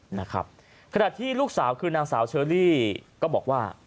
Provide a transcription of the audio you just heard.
ขนาดที่ลูกสาวคือนางสาวเชอรี่ก็บอกว่า